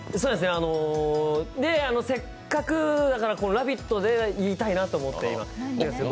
せっかくだから、「ラヴィット！」で言いたいなと思っていたんですけど。